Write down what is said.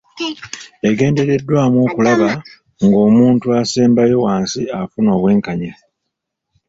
Egendereddwamu okulaba ng'omuntu asembayo wansi afuna obwenkanya.